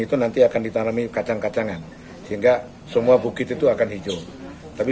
itu nanti akan ditanami kacang kacangan sehingga semua bukit itu akan hijau tapi